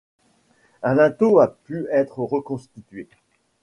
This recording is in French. Un linteau a pu être reconstitué.